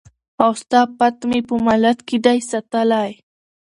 او ستا پت مي په مالت کي دی ساتلی